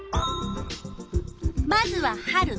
まずは春。